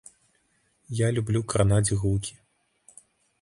Я люблю кранаць гукі.